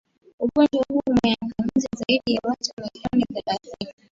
ugonjwa huo umeangamiza zaidi ya watu milioni thalathini